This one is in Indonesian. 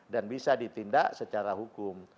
dan bisa ditindak secara hukum